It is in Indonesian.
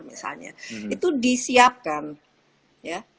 misalnya itu disiapkan ya